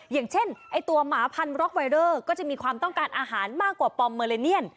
อย่างเช่นไอ้ตัวหมาพันร็อกไวเดอร์ก็จะมีความต้องการอาหารมากกว่าปอมเมอเลเนียน